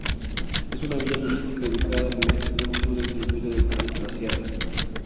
Es una villa turística, ubicada en el extremo sur del circuito de Traslasierra.